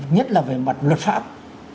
nhất là về mặt luật pháp